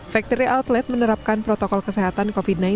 factory outlet menerapkan protokol kesehatan covid sembilan belas